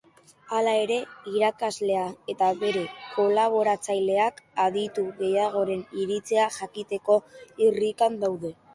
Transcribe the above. Hala ere, irakaslea eta bere kolaboratzaileak aditu gehiagoren iritzia jakiteko irrikan daude.